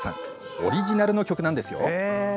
オリジナルの曲なんですよ。